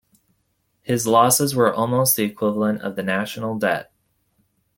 His losses were almost the equivalent of the national debt.